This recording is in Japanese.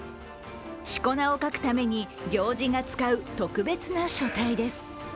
しこ名を書くために行司が使う特別な書体です。